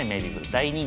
大人気。